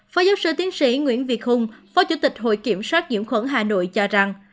phó giáo sư tiến sĩ nguyễn việt hùng phó chủ tịch hội kiểm soát nhiễm khuẩn hà nội cho rằng